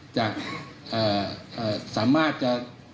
จะสามารถจะ